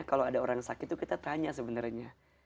kalau ada orang sakit itu kita tanya sebenarnya